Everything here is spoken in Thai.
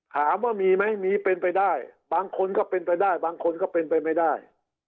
ถามว่ามีไหมมีเป็นไปได้บางคนก็เป็นไปได้บางคนก็เป็นไปไม่ได้